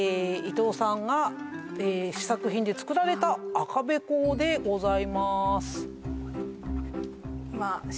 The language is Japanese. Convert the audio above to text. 伊藤さんが試作品で作られた赤べこでございまーす